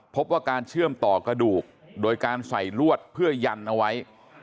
พบว่าการเชื่อมต่อกระดูกโดยการใส่ลวดเพื่อยันเอาไว้